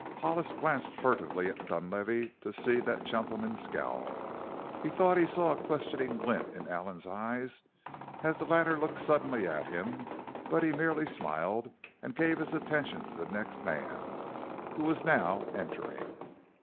Hollis glanced furtively at Dunlavey to see that gentleman scowl. He thought he saw a questioning glint in Allen's eyes as the latter looked suddenly at him, but he merely smiled and gave his attention to the next man, who was now entering.